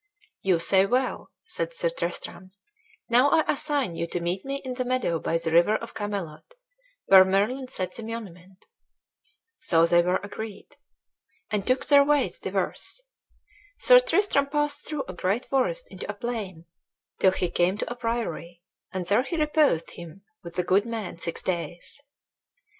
"You say well, "said Sir Tristram; "now I assign you to meet me in the meadow by the river of Camelot, where Merlin set the monument." So they were agreed. Then they departed and took their ways diverse. Sir Tristram passed through a great forest into a plain, till he came to a priory, and there he reposed him with a good man six days.